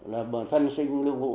là thân sinh lưu quang vũ